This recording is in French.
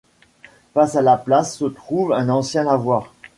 Face à la place, se trouve un ancien lavoir.